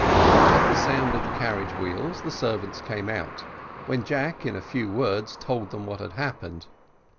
At the sound of the carriage wheels the servants came out, when Jack, in a few words, told them what had happened.